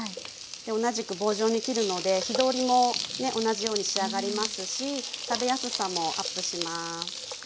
同じく棒状に切るので火通りも同じように仕上がりますし食べやすさもアップします。